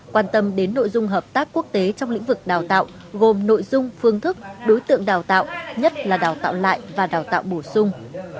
quan tâm đến nội dung hợp tác quốc tế trong lĩnh vực đào tạo gồm nội dung phương thức đối tượng đào tạo nhất là đào tạo lại và đào tạo bổ sung